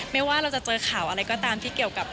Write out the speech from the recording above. ไม่ว่าเราจะเจอข่าวอะไรก็ตามที่เกี่ยวกับ